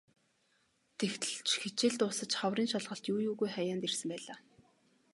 Тэгтэл ч хичээл дуусаж хаврын шалгалт юу юугүй хаяанд ирсэн байлаа.